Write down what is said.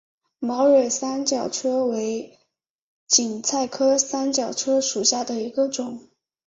毛蕊三角车为堇菜科三角车属下的一个种。